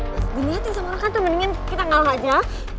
mas diliatin sama orang kan tuh mendingan kita ngalahin aja